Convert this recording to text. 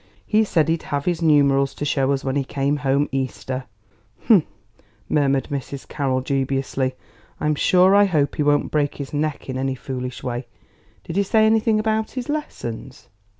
He said he'd have his numerals to show us when he came home Easter." "Hum!" murmured Mrs. Carroll dubiously; "I'm sure I hope he won't break his neck in any foolish way. Did he say anything about his lessons?"